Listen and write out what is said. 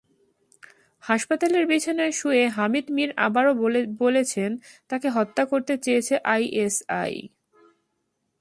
হাসপাতালের বিছানায় শুয়ে হামিদ মির আবারও বলেছেন, তাঁকে হত্যা করতে চেয়েছে আইএসআই।